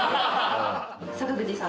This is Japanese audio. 坂口さん